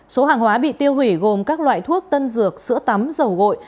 số hàng hóa bị tiêu hủy gồm các loại thuốc tân dược sữa tắm dầu gội